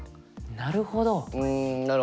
んなるほど！